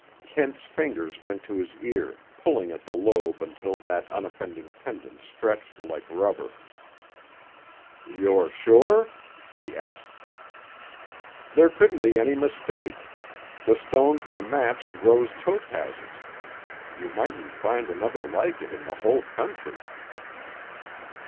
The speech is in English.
Kent's fingers went to his ear, pulling at the lobe until that unoffending pendant stretched like rubber. "You're sure?" he asked. "There couldn't be any mistake. The stones were matched rose topazes; you mightn't find another like it in the whole country."